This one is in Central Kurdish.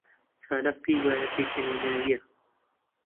چالاک پێی وایە پێکەنیناوییە.